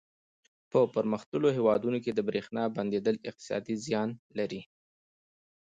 په پرمختللو هېوادونو کې د برېښنا بندېدل اقتصادي زیان لري.